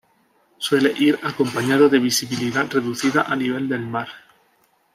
Suele ir acompañado de visibilidad reducida a nivel del mar.